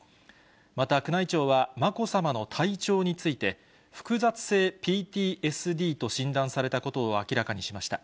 また宮内庁は、まこさまの体調について、複雑性ＰＴＳＤと診断されたことを明らかにしました。